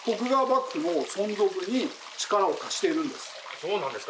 そうなんですか。